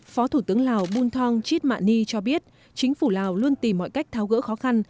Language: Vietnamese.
phó thủ tướng lào bun thong chit mạ ni cho biết chính phủ lào luôn tìm mọi cách tháo gỡ khó khăn